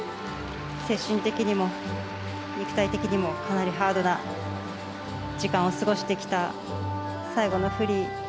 精神的にも肉体的にもかなりハードな時間を過ごしてきた最後のフリー。